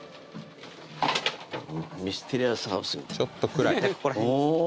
ちょっと暗いおぉ